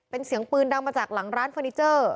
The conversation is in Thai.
เป็นเสียงปืนดังมาจากหลังร้านเฟอร์นิเจอร์